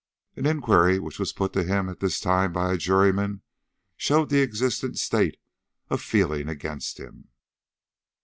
An inquiry which was put to him at this time by a juryman showed the existent state of feeling against him.